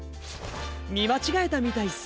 みまちがえたみたいっす。